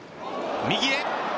右へ。